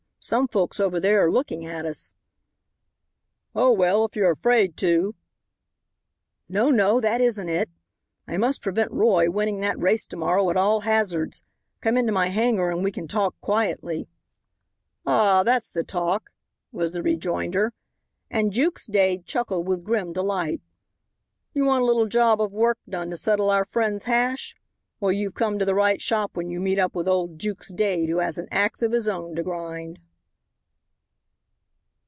Some folks over there are looking at us." "Oh, well, if you're afraid to " "No, no, that isn't it. I must prevent Roy winning that race to morrow at all hazards. Come into my hangar and we can talk quietly." "Ah, that's the talk," was the rejoinder, and Jukes Dade chuckled with grim delight. "You want a little job of work done to settle our friend's hash. Well, you've come to the right shop when you meet up with old Jukes Dade who has an axe of his own to grind."